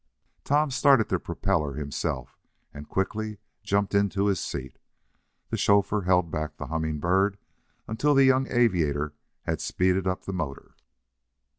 Tom started the propeller himself, and quickly jumped into his seat. The chauffeur held back the Humming Bird until the young aviator had speeded up the motor.